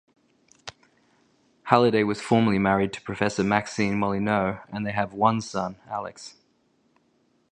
Halliday was formerly married to Professor Maxine Molyneux and they have one son, Alex.